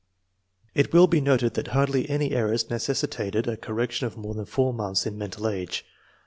It will be noted that hardly any errors necessi tated a correction of more than 4 months in mental age.